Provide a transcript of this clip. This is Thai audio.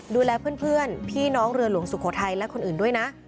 ดูแลเพื่อนพี่น้องเรือหลวงสุโขทัยและคนอื่นด้วยนะ